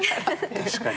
確かに。